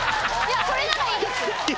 それならいいですよ。